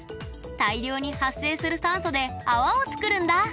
大量に発生する酸素で泡を作るんだ。